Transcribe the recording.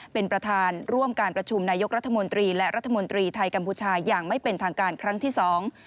เป็นประธานร่วมการประชุมนายกรัฐมนตรีและรัฐมนตรีไทยกัมพูชาอย่างไม่เป็นทางการครั้งที่สอง